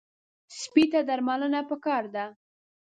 سپي ته درملنه پکار ده.